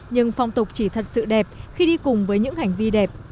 nhưng phong tục chỉ thật sự đẹp khi đi cùng với những hành vi đẹp